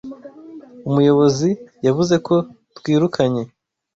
Umuyobozi yavuze ko twirukanye.